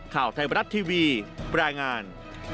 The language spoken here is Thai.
ข่าวไทยบรัฐทีวีรายงาน